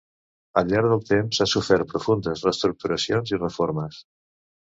Al llarg del temps ha sofert profundes reestructuracions i reformes.